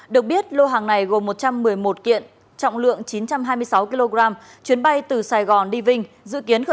được biết lô hàng này gồm một trăm một mươi một kiện trọng lượng chín trăm hai mươi sáu kg chuyến bay từ sài gòn đi vinh